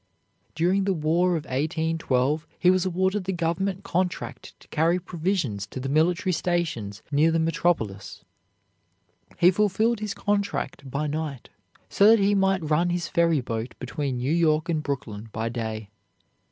During the War of 1812 he was awarded the Government contract to carry provisions to the military stations near the metropolis. He fulfilled his contract by night so that he might run his ferry boat between New York and Brooklyn by day.